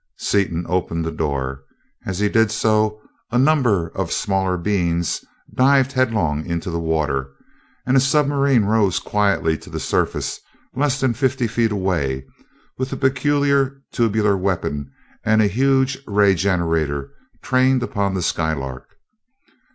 Seaton opened the door. As he did so, a number of the smaller beings dived headlong into the water, and a submarine rose quietly to the surface less than fifty feet away with a peculiar tubular weapon and a huge ray generator trained upon the Skylark.